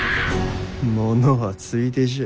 ものはついでじゃ。